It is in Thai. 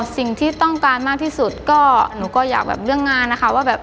สิ่งที่ต้องการมากที่สุดก็หนูก็อยากแบบเรื่องงานนะคะว่าแบบ